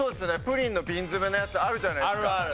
プリンのビン詰めのやつあるじゃないですか。